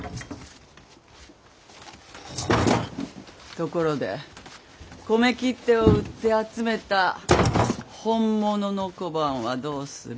ところで米切手を売って集めた本物の小判はどうする？